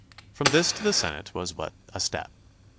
From this to the Senate was but a step.